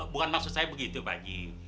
bukan maksud saya begitu pak haji